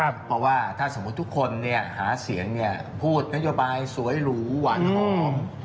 เพราะว่าถ้าสมมุติทุกคนหาเสียงพูดนโยบายสวยหรูหวานหอม